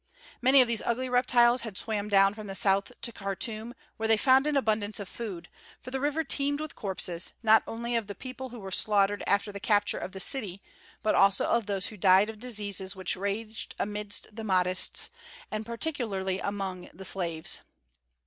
Many of these ugly reptiles had swam down from the south to Khartûm, where they found an abundance of food, for the river teemed with corpses, not only of the people who were slaughtered after the capture of the city, but also of those who died of diseases which raged amidst the Mahdists and particularly among the slaves.